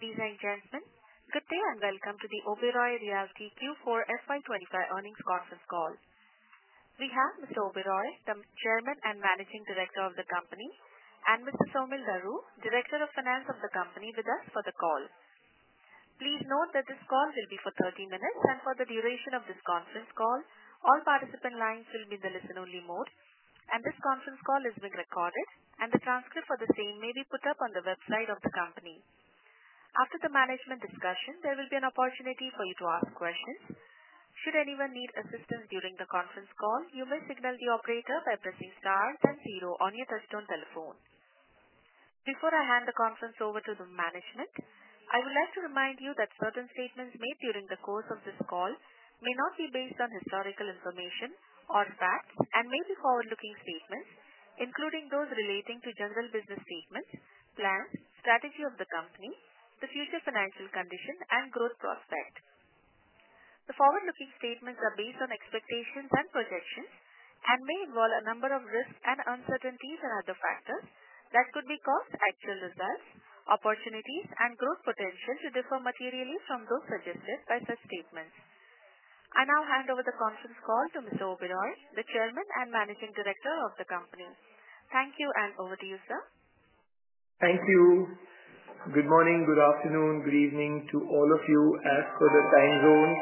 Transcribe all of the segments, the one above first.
Ladies and gentlemen, good day and welcome to the Oberoi Realty Q4 FY2025 earnings conference call. We have Mr. Vikas Oberoi, the Chairman and Managing Director of the company, and Mr. Saumil Daru, Director of Finance of the company, with us for the call. Please note that this call will be for 30 minutes, and for the duration of this conference call, all participant lines will be in the listen-only mode, and this conference call is being recorded, and the transcript for the same may be put up on the website of the company. After the management discussion, there will be an opportunity for you to ask questions. Should anyone need assistance during the conference call, you may signal the operator by pressing star and zero on your touch-tone telephone. Before I hand the conference over to the management, I would like to remind you that certain statements made during the course of this call may not be based on historical information or facts and may be forward-looking statements, including those relating to general business statements, plans, strategy of the company, the future financial condition, and growth prospect. The forward-looking statements are based on expectations and projections and may involve a number of risks and uncertainties and other factors that could be caused by actual results, opportunities, and growth potential to differ materially from those suggested by such statements. I now hand over the conference call to Mr. Oberoi, the Chairman and Managing Director of the company. Thank you, and over to you, sir. Thank you. Good morning, good afternoon, good evening to all of you as for the time zone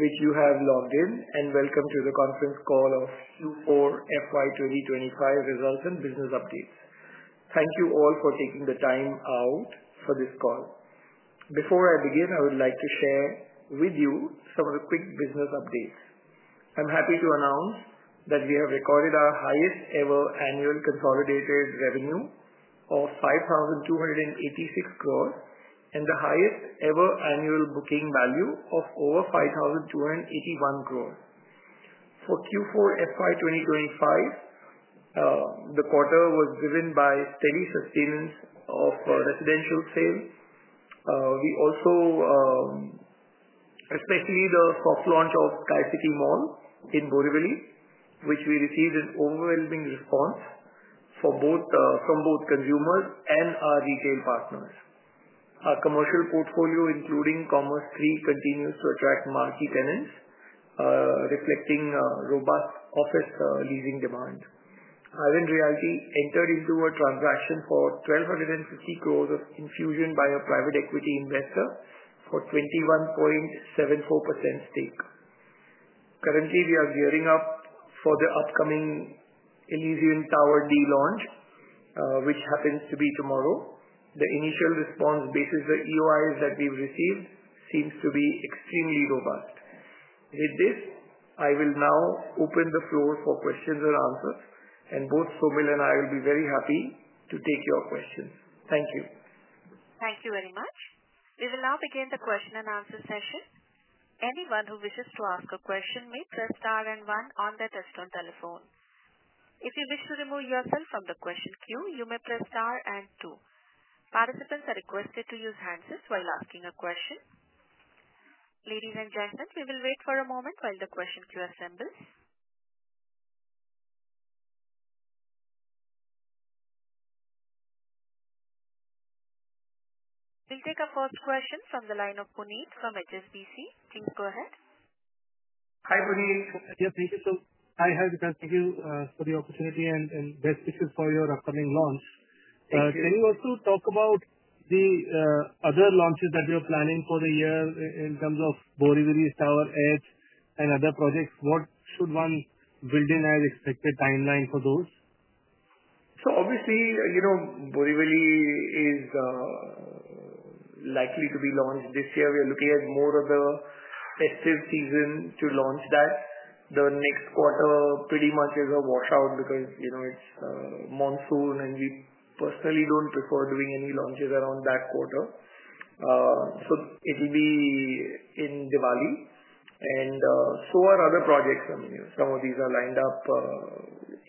which you have logged in, and welcome to the conference call of Q4 FY2025 results and business updates. Thank you all for taking the time out for this call. Before I begin, I would like to share with you some of the quick business updates. I'm happy to announce that we have recorded our highest ever annual consolidated revenue of 5,286 crore and the highest ever annual booking value of over 5,281 crore. For Q4 FY2025, the quarter was driven by steady sustenance of residential sales. We also, especially the soft launch of Sky City Mall in Borivali, which we received an overwhelming response from both consumers and our retail partners. Our commercial portfolio, including Commerz III, continues to attract marquee tenants, reflecting robust office leasing demand. I-Ven Realty entered into a transaction for 12.50 billion of infusion by a private equity investor for 21.74% stake. Currently, we are gearing up for the upcoming Elysian Tower D launch, which happens to be tomorrow. The initial response based on the EOIs that we've received seems to be extremely robust. With this, I will now open the floor for questions and answers, and both Saumil and I will be very happy to take your questions. Thank you. Thank you very much. We will now begin the question and answer session. Anyone who wishes to ask a question may press star and one on their touchstone telephone. If you wish to remove yourself from the question queue, you may press star and two. Participants are requested to use handsets while asking a question. Ladies and gentlemen, we will wait for a moment while the question queue assembles. We'll take our first question from the line of Puneet from HSBC. Please go ahead. Hi, Puneet. Yes, thank you, sir. Hi, hi, good to have you for the opportunity and best wishes for your upcoming launch. Can you also talk about the other launches that you're planning for the year in terms of Borivali, Tower Edge, and other projects? What should one build in as expected timeline for those? Obviously, Borivali is likely to be launched this year. We are looking at more of the festive season to launch that. The next quarter pretty much is a washout because it's monsoon, and we personally don't prefer doing any launches around that quarter. It'll be in Diwali. So are other projects. Some of these are lined up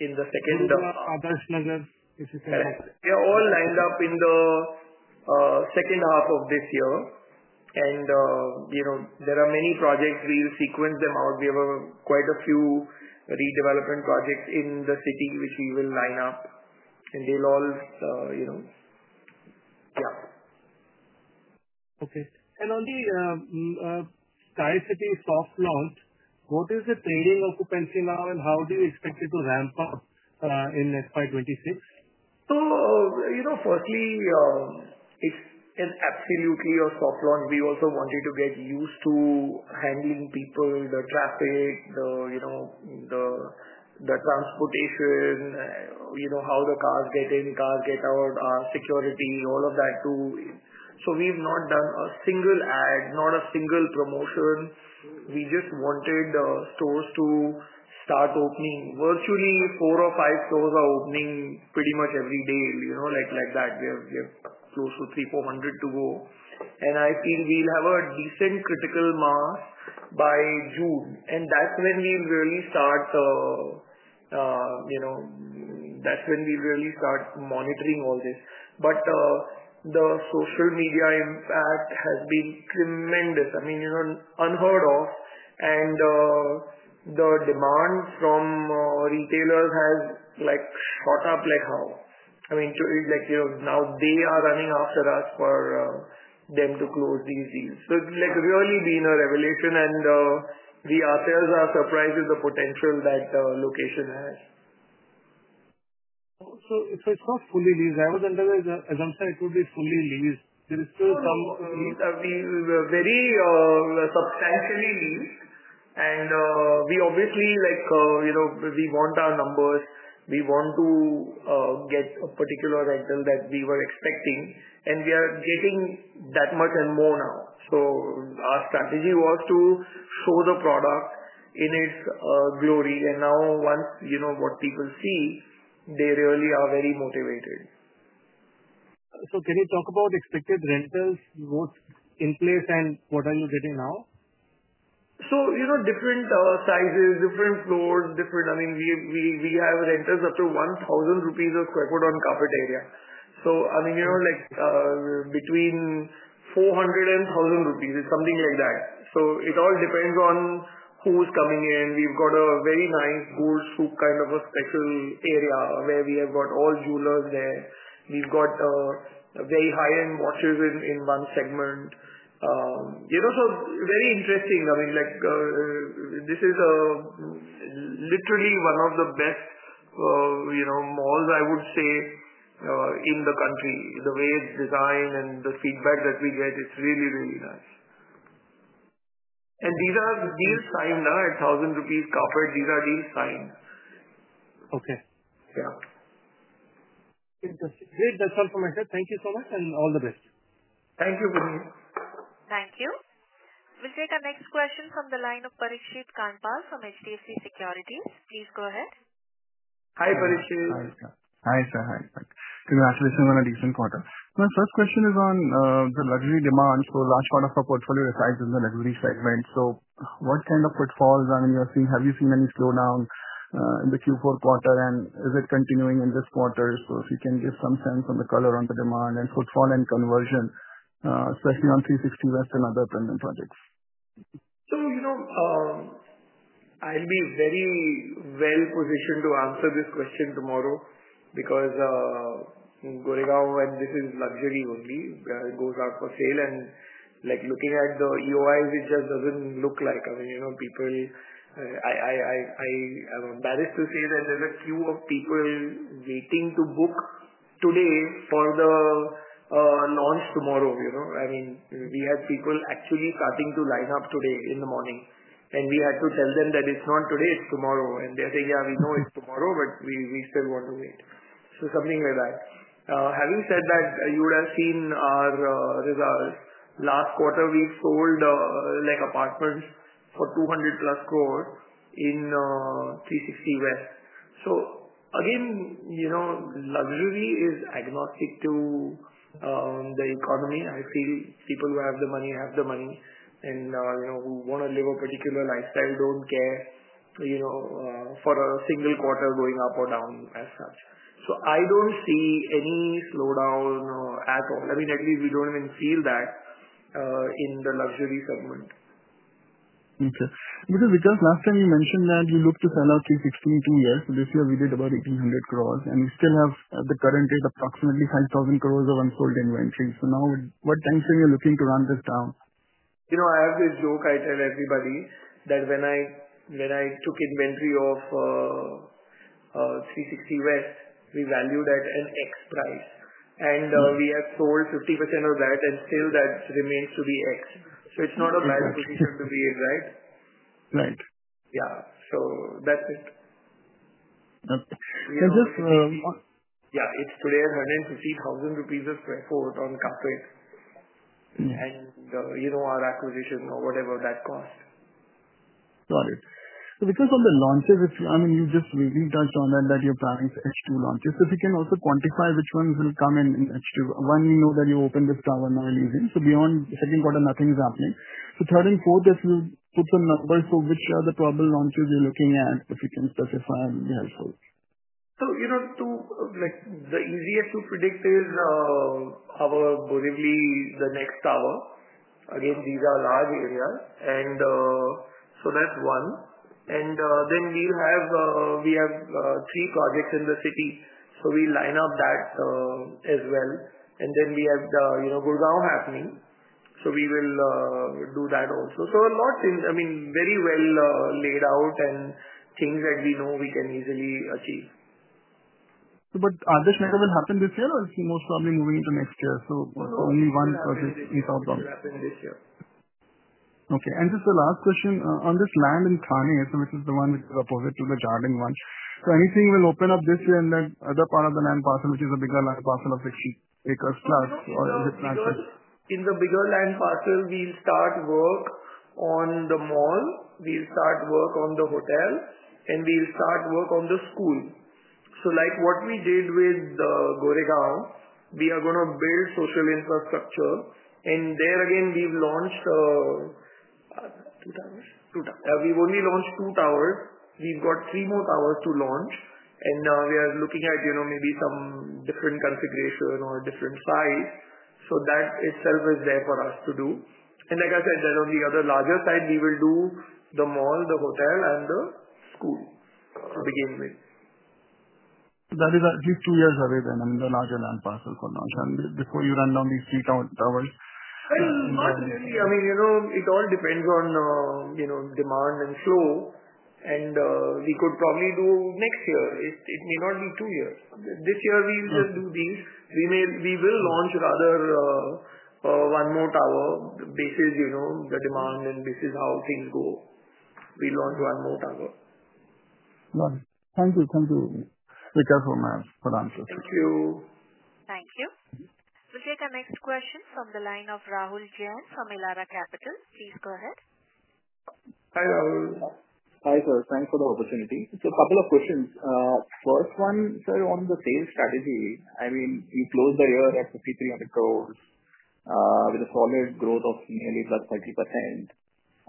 in the second. What about Adarsh Nagar, if you can? Correct. They're all lined up in the second half of this year. There are many projects. We'll sequence them out. We have quite a few redevelopment projects in the city which we will line up, and they'll all, yeah. Okay. On the SkyCity soft launch, what is the trading occupancy now, and how do you expect it to ramp up in FY 2026? Firstly, it's absolutely a soft launch. We also wanted to get used to handling people, the traffic, the transportation, how the cars get in, cars get out, our security, all of that too. We've not done a single ad, not a single promotion. We just wanted the stores to start opening. Virtually four or five stores are opening pretty much every day like that. We have close to 300-400 to go. I feel we'll have a decent critical mass by June, and that's when we'll really start monitoring all this. The social media impact has been tremendous, I mean, unheard of. The demand from retailers has shot up like hell. I mean, now they are running after us for them to close these deals. It's really been a revelation, and we ourselves are surprised with the potential that the location has. It is not fully leased. I was under the assumption it would be fully leased. There is still some. We were very substantially leased, and we obviously want our numbers. We want to get a particular rental that we were expecting, and we are getting that much and more now. Our strategy was to show the product in its glory. Now once what people see, they really are very motivated. Can you talk about expected rentals both in place and what are you getting now? Different sizes, different floors, different. I mean, we have rentals up to 1,000 rupees a sq ft on carpet area. I mean, between 400 crore and 1,000 crore rupees something like that. It all depends on who's coming in. We've got a very nice Gold Souk kind of special area where we have all jewelers there. We've got very high-end watches in one segment. Very interesting. I mean, this is literally one of the best malls, I would say, in the country. The way it's designed and the feedback that we get, it's really, really nice. Okay. Yeah. Interesting. Great. That's all from my side. Thank you so much and all the best. Thank you, Puneet. Thank you. We'll take our next question from the line of Parikshit Kandpal from HDFC Securities. Please go ahead. Hi, Parikshit. Hi, sir. Congratulations on a decent quarter. My first question is on the luxury demand. A large part of our portfolio resides in the luxury segment. What kind of footfalls are you seeing? Have you seen any slowdown in the Q4 quarter, and is it continuing in this quarter? If you can give some sense on the color on the demand and footfall and conversion, especially on 360 West and other permanent projects. I'll be very well positioned to answer this question tomorrow because Goregaon event, this is luxury only. It goes out for sale. Looking at the EOIs, it just doesn't look like. I mean, people, I am embarrassed to say that there's a queue of people waiting to book today for the launch tomorrow. I mean, we had people actually starting to line up today in the morning, and we had to tell them that it's not today, it's tomorrow. They're saying, "Yeah, we know it's tomorrow, but we still want to wait." Something like that. Having said that, you would have seen our results. Last quarter, we sold apartments for 2.00 billion plus in 360 West. Again, luxury is agnostic to the economy. I feel people who have the money have the money, and who want to live a particular lifestyle do not care for a single quarter going up or down as such. I do not see any slowdown at all. I mean, at least we do not even feel that in the luxury segment. Okay. Mr. Vikas, last time you mentioned that you looked to sell out 360 in two years. This year we did about 1,800 crore, and we still have at the current rate approximately 5,000 crore of unsold inventory. What timeframe are you looking to run this down? I have this joke. I tell everybody that when I took inventory of 360 West, we valued at an X price, and we have sold 50% of that, and still that remains to be X. It is not a bad position to be in, right? Right. Yeah, so that's it. Okay. Just. Yeah. It's today at 150,000 rupees a sq ft on carpet, and our acquisition or whatever that cost. Got it. Because of the launches, I mean, you just briefly touched on that you're planning for H2 launches. If you can also quantify which ones will come in H2. One, we know that you opened this tower now in New Zealand. Beyond second quarter, nothing's happening. Third and fourth, if you put some numbers for which are the probable launches you're looking at, if you can specify, that would be helpful. The easiest to predict is our Borivali, the next tower. Again, these are large areas. That is one. Then we have three projects in the city. We line up that as well. We have Goregaon happening. We will do that also. A lot, I mean, very well laid out and things that we know we can easily achieve. Adarsh Nagar will happen this year, or it's most probably moving into next year? Only one project is out. Yes, it will happen this year. Okay. Just the last question on this land in Thane, which is the one which is opposite to the Jade Garden one. Anything will open up this year in the other part of the land parcel, which is a bigger land parcel of 60 acres plus, or is it? In the bigger land parcel, we'll start work on the mall. We'll start work on the hotel, and we'll start work on the school. What we did with Goregaon, we are going to build social infrastructure. There again, we've launched two towers. We've only launched two towers. We've got three more towers to launch, and we are looking at maybe some different configuration or different size. That itself is there for us to do. Like I said, on the other larger side, we will do the mall, the hotel, and the school to begin with. That is at least two years away, then in the larger land parcel for launch. Before you run down these three towers. Not really. I mean, it all depends on demand and flow, and we could probably do next year. It may not be two years. This year we'll just do these. We will launch rather one more tower based on the demand, and this is how things go. We'll launch one more tower. Got it. Thank you. Thank you, Vikas Oberoi, for the answers. Thank you. Thank you. We'll take our next question from the line of Rahul Jain from Elara Capital. Please go ahead. Hi, Rahul. Hi, sir. Thanks for the opportunity. A couple of questions. First one, sir, on the sales strategy. I mean, you closed the year at 5,300 crore with a solid growth of nearly +30%.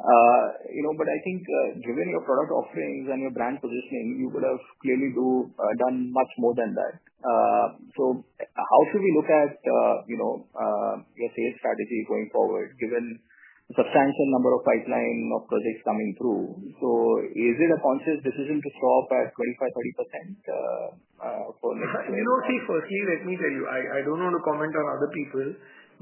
I think given your product offerings and your brand positioning, you would have clearly done much more than that. How should we look at your sales strategy going forward, given the substantial number of pipeline projects coming through? Is it a conscious decision to stop at 25-30% for next year? See, firstly, let me tell you, I don't want to comment on other people,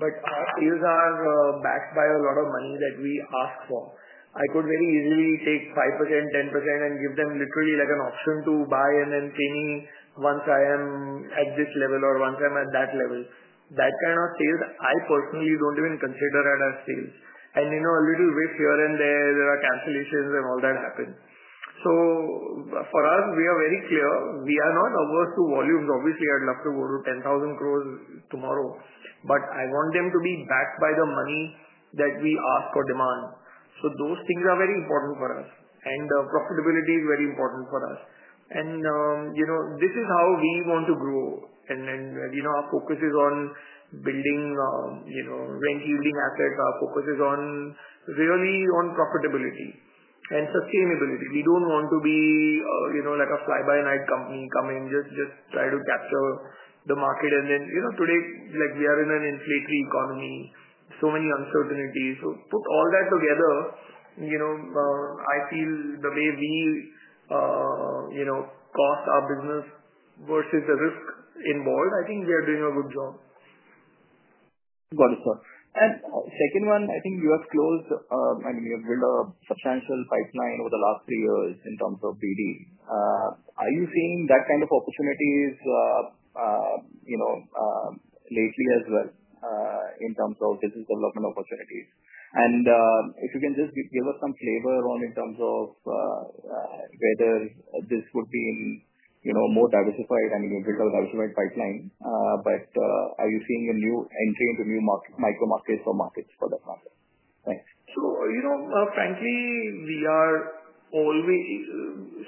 but our sales are backed by a lot of money that we ask for. I could very easily take 5%, 10%, and give them literally an option to buy and then pay me once I am at this level or once I'm at that level. That kind of sales, I personally don't even consider it as sales. A little whiff here and there, there are cancellations and all that happens. For us, we are very clear. We are not averse to volumes. Obviously, I'd love to go to 10,000 crore tomorrow, but I want them to be backed by the money that we ask for demand. Those things are very important for us, and profitability is very important for us. This is how we want to grow. Our focus is on building rent-yielding assets. Our focus is really on profitability and sustainability. We do not want to be like a fly-by-night company coming, just try to capture the market. Today, we are in an inflationary economy, so many uncertainties. Put all that together, I feel the way we cost our business versus the risk involved, I think we are doing a good job. Got it, sir. The second one, I think you have closed, I mean, you have built a substantial pipeline over the last three years in terms of BD. Are you seeing that kind of opportunities lately as well in terms of business development opportunities? If you can just give us some flavor on in terms of whether this would be more diversified. I mean, you've built a diversified pipeline, but are you seeing a new entry into new Micro markets or markets for that market? Thanks. Frankly, we always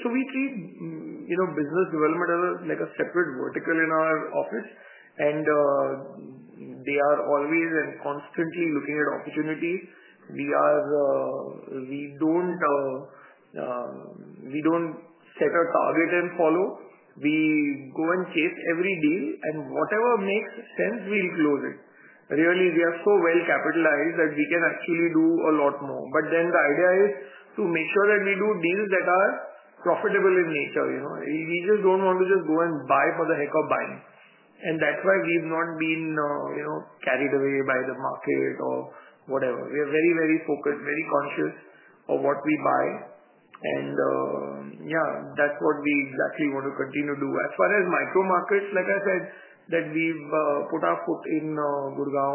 treat business development as a separate vertical in our office, and they are always and constantly looking at opportunity. We do not set a target and follow. We go and chase every deal, and whatever makes sense, we will close it. Really, we are so well capitalized that we can actually do a lot more. The idea is to make sure that we do deals that are profitable in nature. We just do not want to just go and buy for the heck of buying. That is why we have not been carried away by the market or whatever. We are very, very focused, very conscious of what we buy. Yeah, that is what we exactly want to continue to do. As far as Micro markets, like I said, we have put our foot in Goregaon,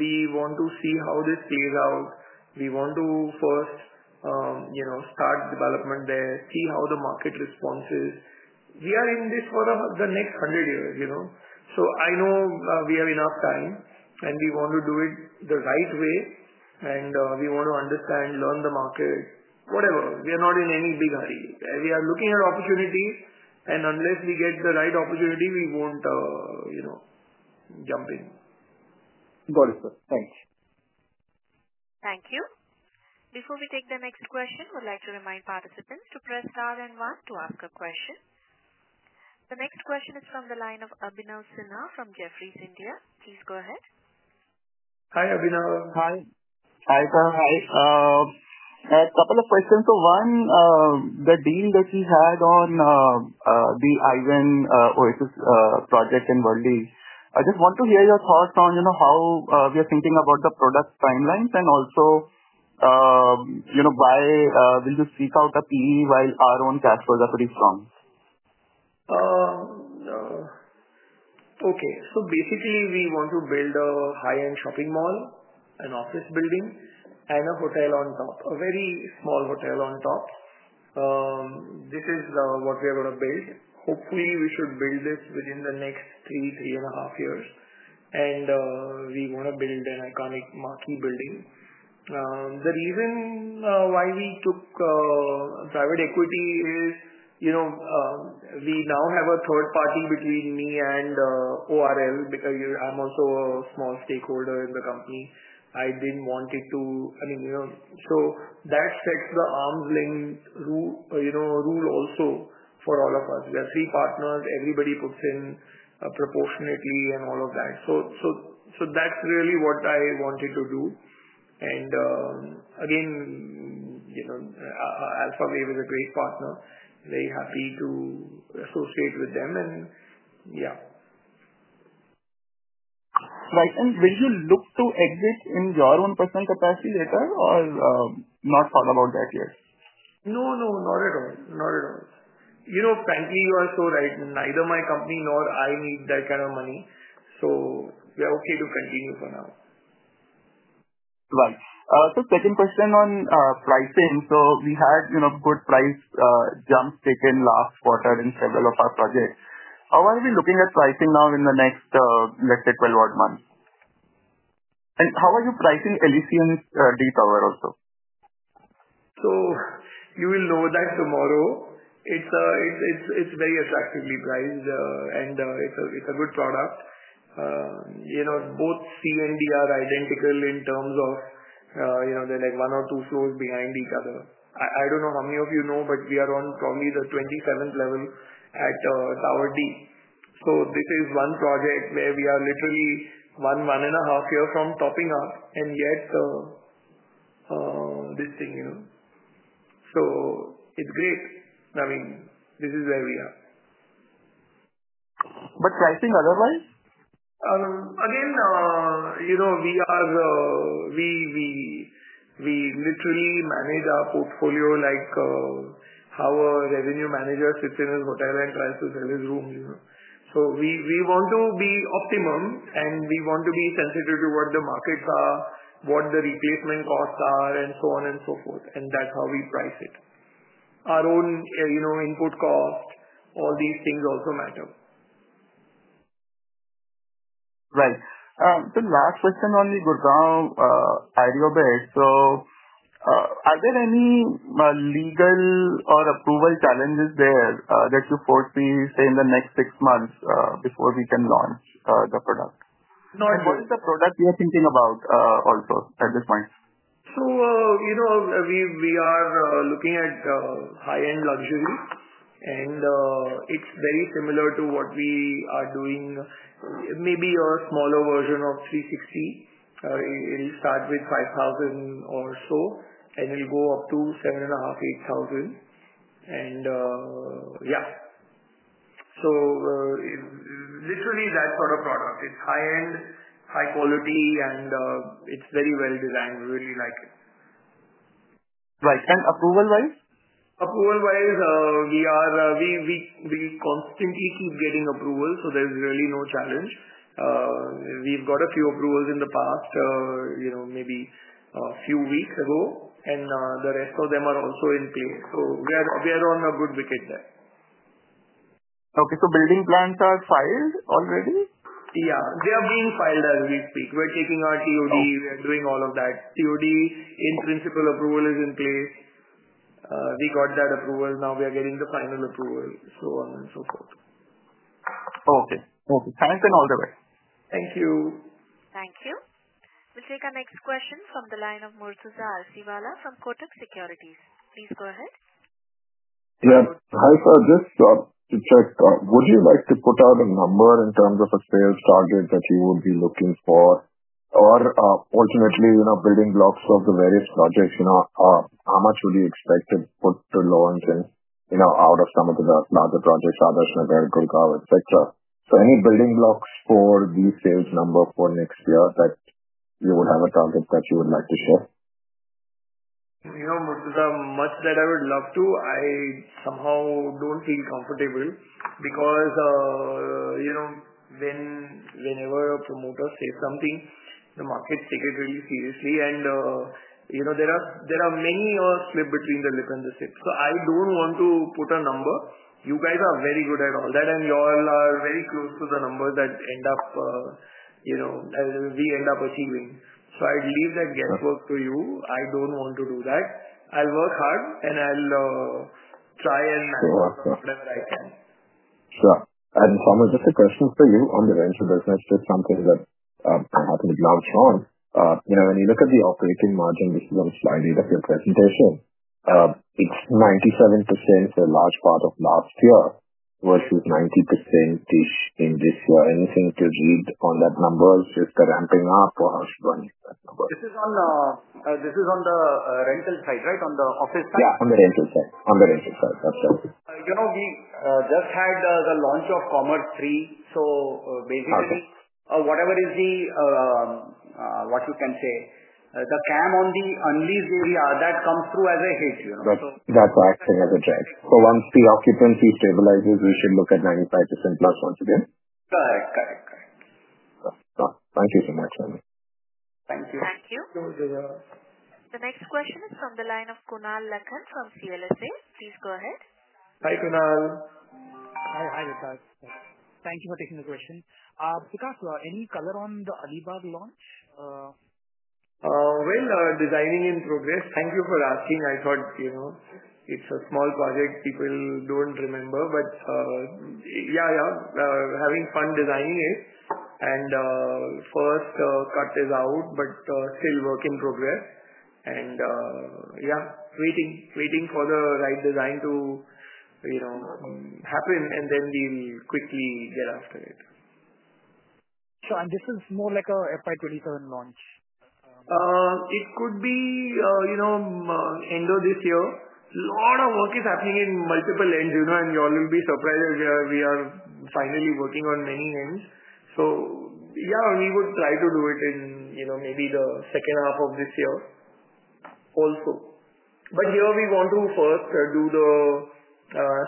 we want to see how this plays out. We want to first start development there, see how the market responses. We are in this for the next 100 years. I know we have enough time, and we want to do it the right way, and we want to understand, learn the market, whatever. We are not in any big hurry. We are looking at opportunities, and unless we get the right opportunity, we won't jump in. Got it, sir. Thanks. Thank you. Before we take the next question, we'd like to remind participants to press star and one to ask a question. The next question is from the line of Abhinav Sinha from Jefferies India. Please go ahead. Hi, Abhinav. Hi. Hi, sir. Hi. I have a couple of questions. One, the deal that you had on the I-Ven Oasis project in Worli, I just want to hear your thoughts on how we are thinking about the product timelines and also why will you seek out a PE while our own cash flows are pretty strong? Okay. Basically, we want to build a high-end shopping mall, an office building, and a hotel on top, a very small hotel on top. This is what we are going to build. Hopefully, we should build this within the next three, three and a half years. We want to build an iconic marquee building. The reason why we took private equity is we now have a third party between me and ORL because I'm also a small stakeholder in the company. I didn't want it to, I mean, so that sets the Arm's length rule also for all of us. We are three partners. Everybody puts in proportionately and all of that. That's really what I wanted to do. Again, Alpha Wave is a great partner. Very happy to associate with them. Yeah. Right. Will you look to exit in your own personal capacity later, or not thought about that yet? No, no, not at all. Not at all. Frankly, you are so right. Neither my company nor I need that kind of money. So we are okay to continue for now. Right. Second question on pricing. We had good price jumps taken last quarter in several of our projects. How are we looking at pricing now in the next, let's say, 12-odd months? How are you pricing Elysian Tower D also? You will know that tomorrow. It's very attractively priced, and it's a good product. Both C and D are identical in terms of they're like one or two floors behind each other. I don't know how many of you know, but we are on probably the 27th level at Tower D. This is one project where we are literally one, one and a half years from topping up, and yet this thing. It's great. I mean, this is where we are. Pricing otherwise? We literally manage our portfolio like how a revenue manager sits in his hotel and tries to sell his room. We want to be optimum, and we want to be sensitive to what the markets are, what the replacement costs are, and so on and so forth. That is how we price it. Our own input cost, all these things also matter. Right. The last question on the Goregaon idea bit. Are there any legal or approval challenges there that you foresee in the next six months before we can launch the product? No. What is the product you are thinking about also at this point? We are looking at high-end luxury, and it is very similar to what we are doing, maybe a smaller version of 360 West. It will start with 5,000 or so, and it will go up to 7,500-8,000. Yeah. Literally that sort of product. It is high-end, high quality, and it is very well designed. We really like it. Right. Approval-wise? Approval-wise, we constantly keep getting approvals, so there's really no challenge. We've got a few approvals in the past, maybe a few weeks ago, and the rest of them are also in place. We are on a good wicket there. Okay. So building plans are filed already? Yeah. They are being filed as we speak. We're taking our TOD. We are doing all of that. TOD, in principle, approval is in place. We got that approval. Now we are getting the final approval, so on and so forth. Okay. Okay. Thanks and all the best. Thank you. Thank you. We'll take our next question from the line of Murtuza Arsiwalla from Kotak Securities. Please go ahead. Yeah. Hi, sir. Just to check, would you like to put out a number in terms of a sales target that you would be looking for? Alternately, building blocks of the various projects, how much would you expect to put to launch out of some of the larger projects, Adarsh Nagar, Goregaon, etc.? Any building blocks for the sales number for next year that you would have a target that you would like to share? Murthuza, much that I would love to, I somehow do not feel comfortable because whenever a promoter says something, the market takes it really seriously, and there are many slips between the lip and the slip. I do not want to put a number. You guys are very good at all that, and you all are very close to the numbers that we end up achieving. I would leave that guesswork to you. I do not want to do that. I will work hard, and I will try and manage whatever I can. Sure. Saumil, just a question for you on the rental business, just something that I happened to be looking at. When you look at the operating margin, this is on slide eight of your presentation, it's 97% for a large part of last year versus 90%-ish in this year. Anything to read on that number? Is it ramping up, or how should one use that number? This is on the rental side, right? On the office side? Yeah, on the rental side. On the rental side. That's right. We just had the launch of Commerz III. Basically, whatever is the, what you can say, the CAM on the unleased area, that comes through as a hit. That's acting as a drag. Once the occupancy stabilizes, we should look at 95% plus once again. Correct. Correct. Correct. Thank you so much, Saumil. Thank you. Thank you. The next question is from the line of Kunal Lakhan from CLSA. Please go ahead. Hi, Kunal. Hi. Hi, Vikas. Thank you for taking the question. Vikas, any color on the Elysian launch? Designing in progress. Thank you for asking. I thought it's a small project. People don't remember, but yeah, yeah, having fun designing it. First cut is out, but still work in progress. Yeah, waiting for the right design to happen, and then we'll quickly get after it. Sure. This is more like an FY 2027 launch? It could be end of this year. A lot of work is happening in multiple ends, and you all will be surprised if we are finally working on many ends. Yeah, we would try to do it in maybe the second half of this year also. Here, we want to first do the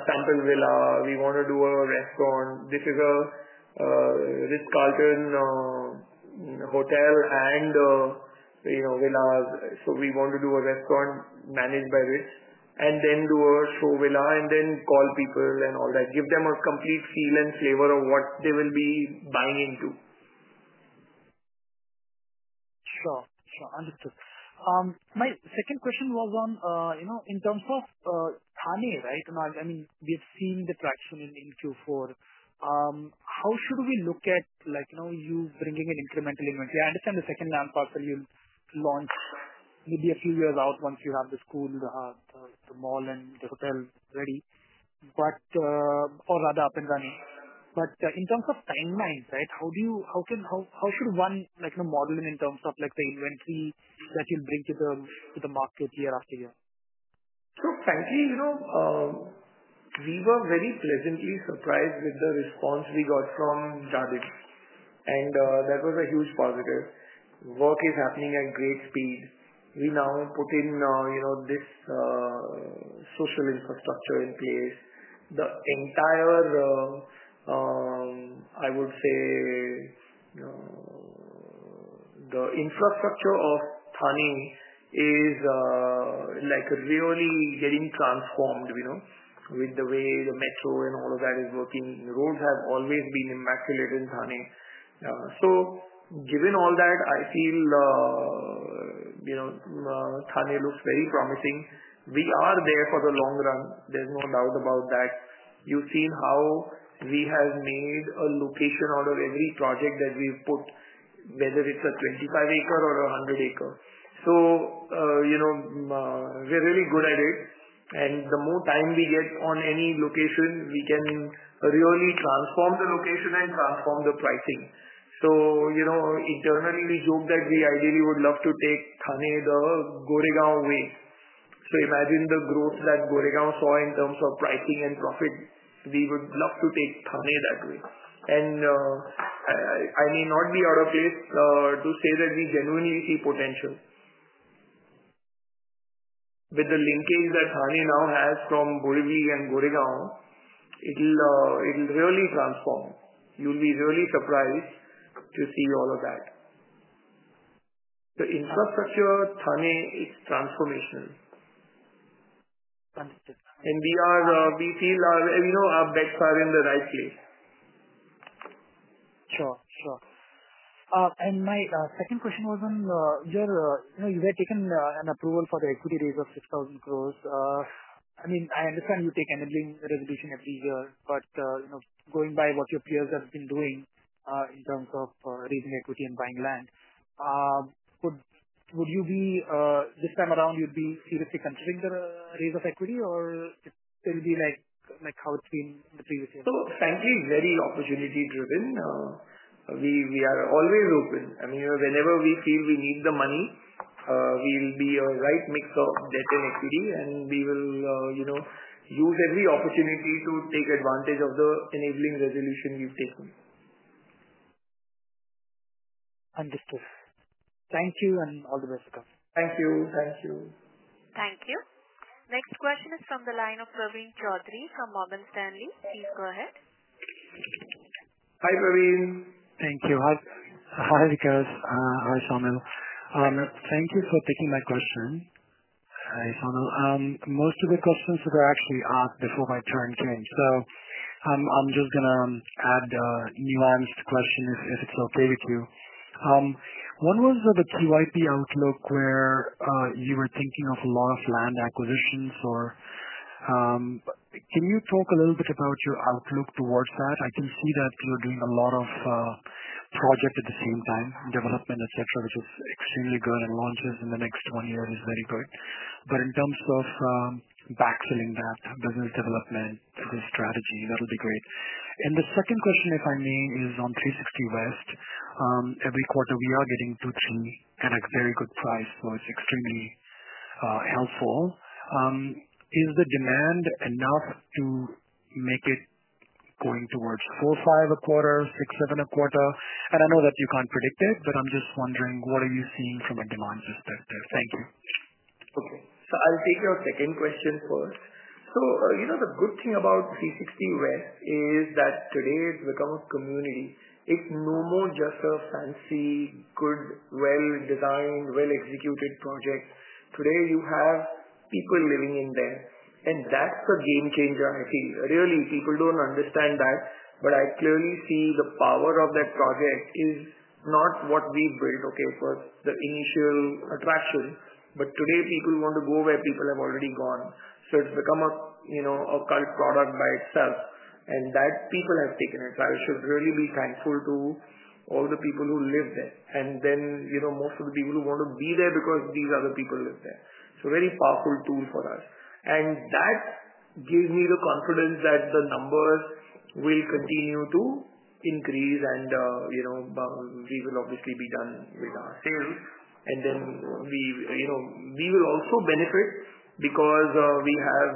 sample villa. We want to do a restaurant. This is a Ritz-Carlton Hotel and Villas. We want to do a restaurant managed by Ritz and then do a show villa and then call people and all that, give them a complete feel and flavor of what they will be buying into. Sure. Sure. Understood. My second question was on in terms of Thane, right? I mean, we have seen the traction in Q4. How should we look at you bringing an incremental inventory? I understand the second and third parts that you launch maybe a few years out once you have the school, the mall, and the hotel ready, or rather up and running. In terms of timelines, right, how should one model in terms of the inventory that you'll bring to the market year after year? Frankly, we were very pleasantly surprised with the response we got from Jade Garden, and that was a huge positive. Work is happening at great speed. We now put in this social infrastructure in place. The entire, I would say, the infrastructure of Thane is really getting transformed with the way the metro and all of that is working. Roads have always been immaculate in Thane. Given all that, I feel Thane looks very promising. We are there for the long run. There's no doubt about that. You've seen how we have made a location out of every project that we've put, whether it's a 25-acre or a 100-acre. We're really good at it. The more time we get on any location, we can really transform the location and transform the pricing. Internally, we joke that we ideally would love to take Thane the Goregaon way. Imagine the growth that Goregaon saw in terms of pricing and profit. We would love to take Thane that way. I may not be out of place to say that we genuinely see potential. With the linkage that Thane now has from Borivali and Goregaon, it will really transform. You will be really surprised to see all of that. The infrastructure in Thane, it is transformational. We feel our bets are in the right place. Sure. Sure. My second question was on your, you had taken an approval for the equity raise of 6,000 crore. I mean, I understand you take enabling resolution every year, but going by what your peers have been doing in terms of raising equity and buying land, would you be, this time around, you'd be seriously considering the raise of equity, or it'll be like how it's been in the previous years? Frankly, very opportunity-driven. We are always open. I mean, whenever we feel we need the money, we'll be a right mix of debt and equity, and we will use every opportunity to take advantage of the enabling resolution we've taken. Understood. Thank you and all the best, Vikas. Thank you. Thank you. Thank you. Next question is from the line of Praveen Chaudhary from Morgan Stanley. Please go ahead. Hi, Praveen. Thank you. Hi, Vikas. Hi, Saumil. Thank you for taking my question. Hi, Saumil. Most of the questions that are actually asked before my turn came. I am just going to add a nuanced question if it is okay with you. One was of a TYP outlook where you were thinking of a lot of land acquisitions. Can you talk a little bit about your outlook towards that? I can see that you are doing a lot of projects at the same time, development, etc., which is extremely good, and launches in the next one year is very good. In terms of backfilling that business development, business strategy, that will be great. The second question, if I may, is on 360 West. Every quarter, we are getting two, three, and at very good price, so it is extremely helpful. Is the demand enough to make it going towards four, five a quarter, six, seven a quarter? I know that you can't predict it, but I'm just wondering, what are you seeing from a demand perspective? Thank you. Okay. I'll take your second question first. The good thing about 360 West is that today, it's become a community. It's no more just a fancy, good, well-designed, well-executed project. Today, you have people living in there, and that's the game changer, I feel. Really, people don't understand that, but I clearly see the power of that project is not what we built, for the initial attraction, but today, people want to go where people have already gone. It's become a cult product by itself, and that people have taken it. I should really be thankful to all the people who live there. Most of the people want to be there because these other people live there. Very powerful tool for us. That gives me the confidence that the numbers will continue to increase, and we will obviously be done with our sales. We will also benefit because we have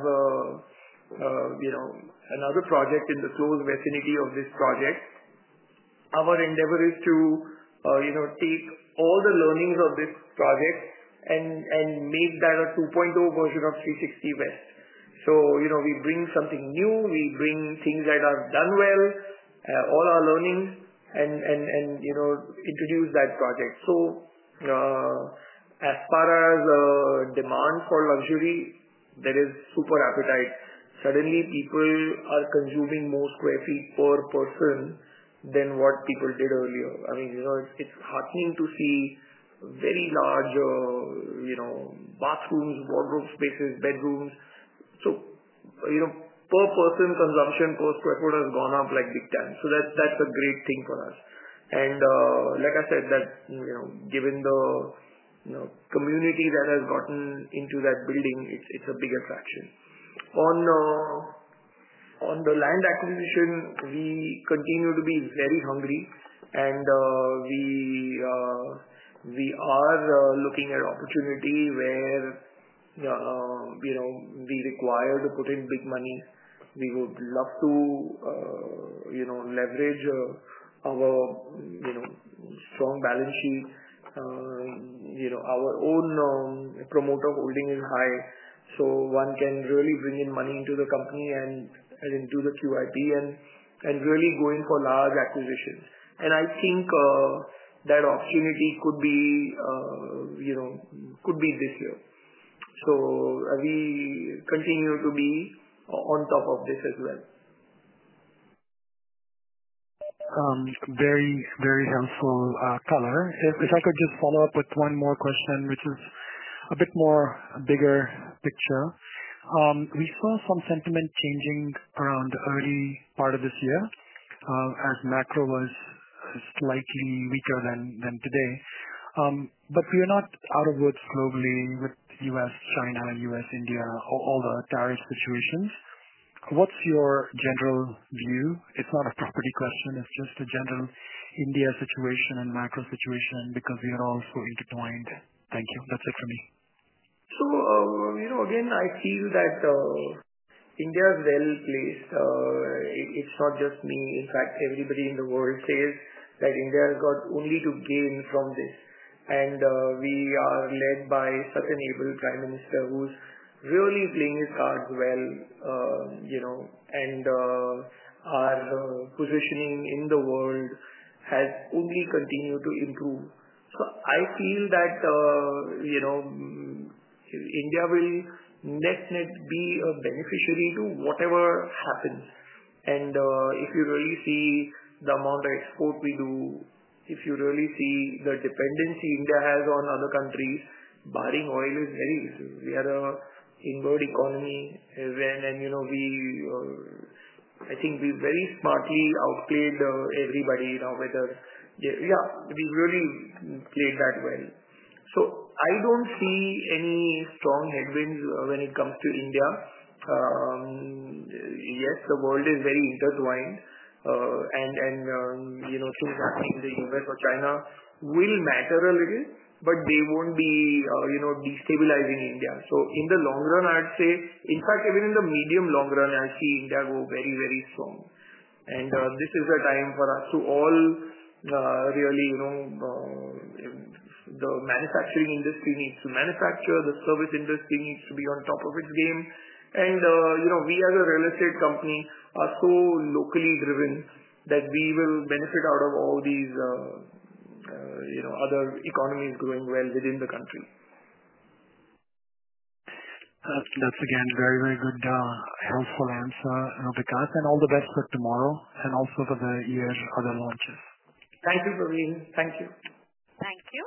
another project in the close vicinity of this project. Our endeavor is to take all the learnings of this project and make that a 2.0 version of 360 West. We bring something new. We bring things that are done well, all our learnings, and introduce that project. As far as demand for luxury, there is super appetite. Suddenly, people are consuming more square feet per person than what people did earlier. I mean, it's heartening to see very large bathrooms, wardrobe spaces, bedrooms. Per person consumption per square foot has gone up like big time. That's a great thing for us. Like I said, given the community that has gotten into that building, it's a big attraction. On the land acquisition, we continue to be very hungry, and we are looking at opportunity where we require to put in big money. We would love to leverage our strong balance sheet. Our own promoter holding is high, so one can really bring in money into the company and into the QIP and really go in for large acquisitions. I think that opportunity could be this year. We continue to be on top of this as well. Very, very helpful, Kaler. If I could just follow up with one more question, which is a bit more bigger picture. We saw some sentiment changing around the early part of this year as macro was slightly weaker than today. We are not out of the woods globally with U.S., China, U.S., India, all the tariff situations. What's your general view? It's not a property question. It's just a general India situation and macro situation because we are also intertwined. Thank you. That's it for me. I feel that India is well placed. It's not just me. In fact, everybody in the world says that India has only to gain from this. We are led by such an able prime minister who's really playing his cards well, and our positioning in the world has only continued to improve. I feel that India will net-net be a beneficiary to whatever happens. If you really see the amount of export we do, if you really see the dependency India has on other countries, barring oil, we are an inward economy. I think we very smartly outplayed everybody, we really played that well. I don't see any strong headwinds when it comes to India. Yes, the world is very intertwined, and things happening in the U.S. or China will matter a little, but they won't be destabilizing India. In the long run, I'd say, in fact, even in the medium long run, I see India go very, very strong. This is the time for us to all really, the manufacturing industry needs to manufacture. The service industry needs to be on top of its game. We as a real estate company are so locally driven that we will benefit out of all these other economies growing well within the country. That's again very, very good, helpful answer, Vikas. All the best for tomorrow and also for the year other launches. Thank you, Praveen. Thank you. Thank you.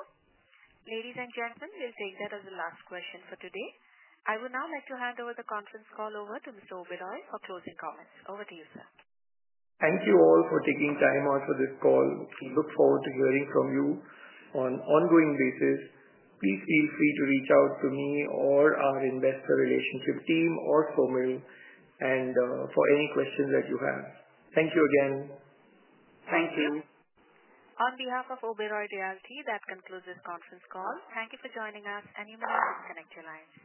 Ladies and gentlemen, we'll take that as the last question for today. I would now like to hand over the conference call over to Mr. Oberoi for closing comments. Over to you, sir. Thank you all for taking time out for this call. We look forward to hearing from you on an ongoing basis. Please feel free to reach out to me or our investor relationship team or Saumil for any questions that you have. Thank you again. Thank you. On behalf of Oberoi Realty, that concludes this conference call. Thank you for joining us, and you may now disconnect your lines.